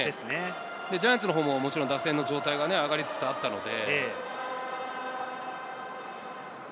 ジャイアンツのほうも打線の状態が上がりつつあったので。